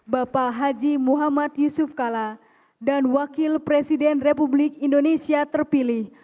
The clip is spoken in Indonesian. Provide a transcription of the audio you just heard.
bapak haji muhammad yusuf kala dan wakil presiden republik indonesia terpilih